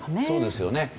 そうですよね。